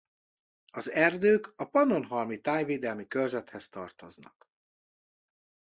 Az erdők a Pannonhalmi Tájvédelmi Körzethez tartoznak.